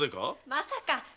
まさか。